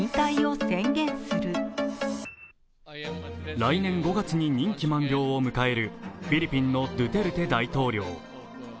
来年５月に任期満了を迎えるフィリピンのドゥテルテ大統領。